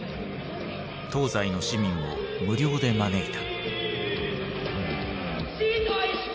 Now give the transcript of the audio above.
東西の市民を無料で招いた。